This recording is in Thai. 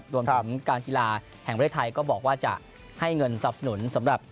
รวมถึงการกีฬาแห่งประเทศไทยก็บอกว่าจะให้เงินสนับสนุนสำหรับ